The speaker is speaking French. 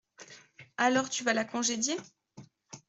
Alors tu vas la congédier ?